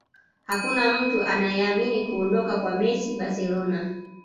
Hakuna mtu anayeamini kuondoka kwa messi barcelona